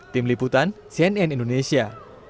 tim liputan cnn indonesia